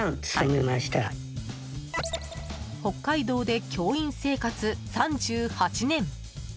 北海道で教員生活３８年。